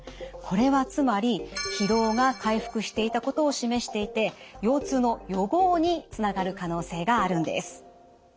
これはつまり疲労が回復していたことを示していて腰痛の予防につながる可能性があるんです。